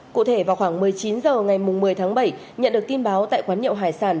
cụ thể vào khoảng một mươi chín h ngày một mươi tháng bảy nhận được tin báo tại quán nhậu hải sản